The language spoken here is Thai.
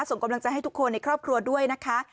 ส่งกำลังใจให้ทุกคนในครอบครัวด้วยนะคะ